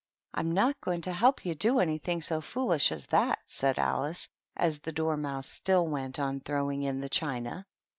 "I'm not going to help you do anything so foolish as that," said Alice, as the Dormouse still went on throwing in the china.